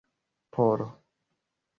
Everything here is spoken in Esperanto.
polo